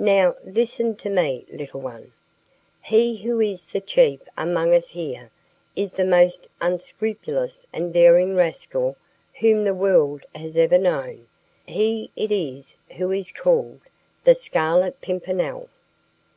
"Now, listen to me, little one. He who is the chief among us here is the most unscrupulous and daring rascal whom the world has ever known. He it is who is called the 'Scarlet Pimpernel!'"